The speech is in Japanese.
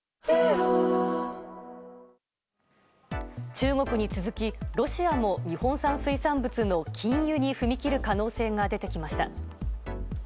中国に続きロシアも日本産水産物の禁輸に踏み切る可能性が出てきました。